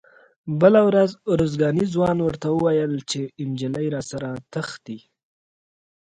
بله ورځ ارزګاني ځوان ورته وویل چې نجلۍ راسره تښتي.